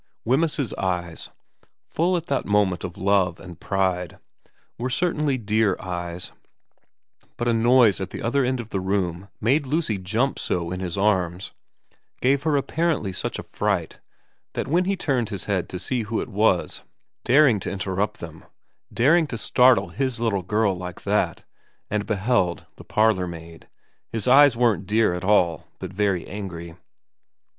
Wemyss's eyes, full at that moment of love and pride, were certainly dear eyes, but a noise at the other end of the room made Lucy jump so in his arms, gave her apparently such a fright, that when he turned his head to see who it was daring to interrupt them, daring to startle his little girl like that, and beheld the parlour maid, his eyes weren't dear at all but very angry.